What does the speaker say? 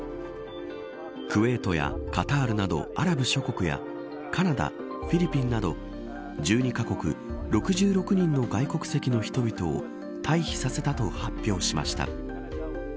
クウェートやカタールなどアラブ諸国やカナダ、フィリピンなど１２カ国６６人の外国籍の人々を退避させたと発表しました。